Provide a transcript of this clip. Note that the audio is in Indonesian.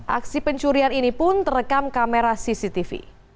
aksi pencurian ini pun terekam kamera cctv